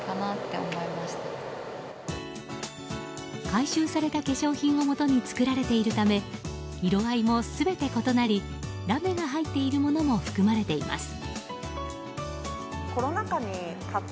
回収された化粧品をもとに作られているため色合いも全て異なりラメが入っているものも含まれています。